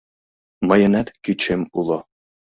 Мыйынат кӱчем уло.